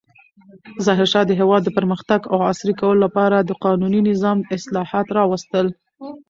ظاهرشاه د هېواد د پرمختګ او عصري کولو لپاره د قانوني نظام اصلاحات راوستل.